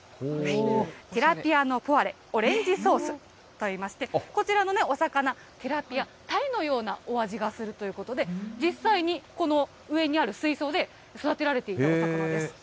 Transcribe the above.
ティラピアのポワレオレンジソースといいまして、こちらのお魚、ティラピア、タイのようなお味がするということで、実際にこの上にある水槽で育てられていたお魚です。